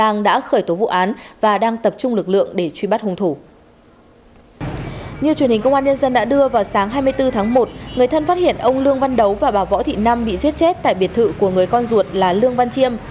như truyền hình công an nhân dân đã đưa vào sáng hai mươi bốn tháng một người thân phát hiện ông lương văn đấu và bà võ thị năm bị giết chết tại biệt thự của người con ruột là lương văn chiêm